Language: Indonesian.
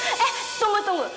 hah eh tunggu tunggu